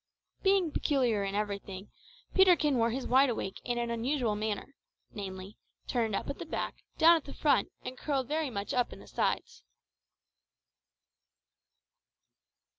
Being peculiar in everything, Peterkin wore his wide awake in an unusual manner namely, turned up at the back, down at the front, and curled very much up at the sides.